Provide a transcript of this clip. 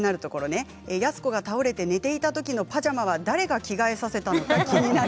安子が倒れて寝ていたときのパジャマは誰が着替えさせたのか気になる。